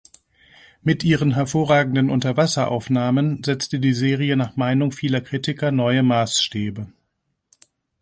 Mit ihren hervorragenden Unterwasseraufnahmen setzte die Serie nach Meinung vieler Kritiker neue Maßstäbe.